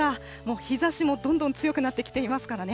日ざしもどんどん強くなってきていますからね。